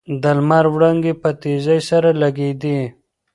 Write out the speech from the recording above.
د لمر وړانګې په تېزۍ سره لګېدې.